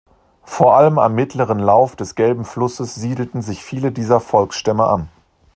Vor allem am mittleren Lauf des Gelben Flusses siedelten sich viele dieser Volksstämme an.